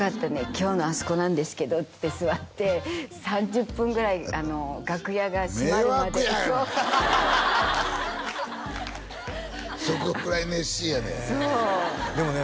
「今日のあそこなんですけど」っつって座って３０分ぐらい楽屋が閉まるまで迷惑やがなそのぐらい熱心やねんそうでもね